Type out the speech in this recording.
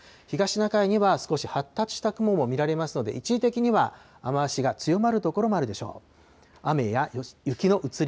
東シナ海には少し発達した雲も見られますので、一時的には雨足が強まる所もあるでしょう。